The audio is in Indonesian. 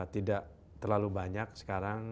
tidak terlalu banyak sekarang